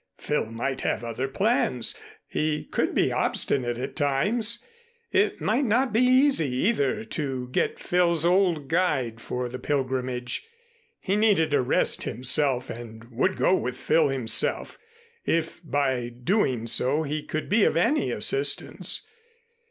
Phil might have other plans. He could be obstinate at times. It might not be easy, either, to get Phil's old guide for the pilgrimage. He needed a rest himself, and would go with Phil himself, if by doing so he could be of any assistance.